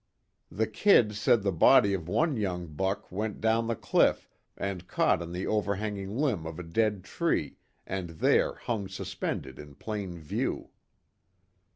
The "Kid" said the body of one young buck went down the cliff and caught on the over hanging limb of a dead tree, and there hung suspended in plain view.